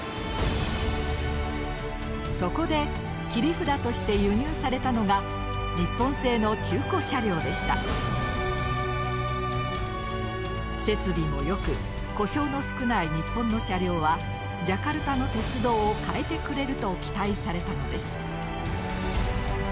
そこで切り札として輸入されたのが設備もよく故障の少ない日本の車両はジャカルタの鉄道を変えてくれると期待されたのです。